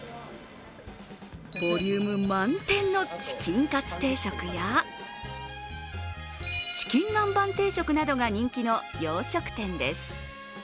ボリューム満点のチキンカツ定食やチキン南蛮定食などが人気の洋食店です。